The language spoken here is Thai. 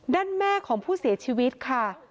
ด้านแม่ของผู้เสียชีวิตค่ะ